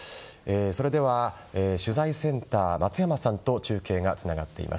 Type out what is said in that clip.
それでは取材センターの松山さんと中継がつながっています。